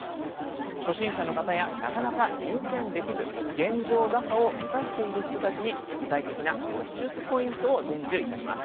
初心者の方やなかなか入選できず現状打破を目指している人たちに具体的な脱出ポイントを伝授いたします。